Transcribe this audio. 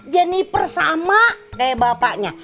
jennifer sama kayak bapaknya